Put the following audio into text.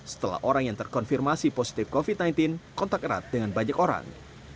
setelah orang yang terkonfirmasi positif covid sembilan belas kontak erat dengan banyak orang